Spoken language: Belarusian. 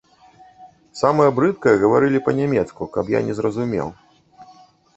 Самае брыдкае гаварылі па-нямецку, каб я не зразумеў.